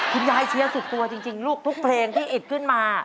เชียร์สุดตัวจริงลูกทุกเพลงที่อิดขึ้นมา